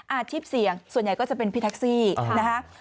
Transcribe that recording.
อาชีพเสี่ยงส่วนใหญ่ก็จะเป็นพี่แท็กซี่นะคะ